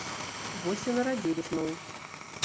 Вось і нарадзілі зноў.